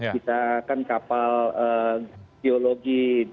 kita kan kapal geologi